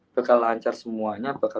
bakal lancar semuanya